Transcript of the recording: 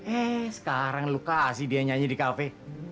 eh sekarang lu kasih dia nyanyi di kafe